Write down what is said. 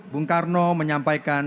bung karno menyampaikan